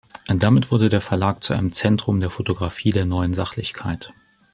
Damit wurde der Verlag zu einem Zentrum der Fotografie der Neuen Sachlichkeit.